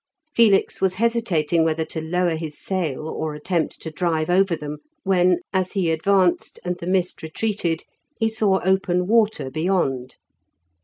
Felix was hesitating whether to lower his sail or attempt to drive over them, when, as he advanced and the mist retreated, he saw open water beyond.